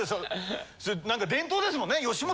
なんか伝統ですもんね。